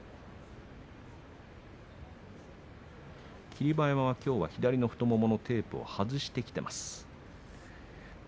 霧馬山はきょうは左の太もものテープを外してきています。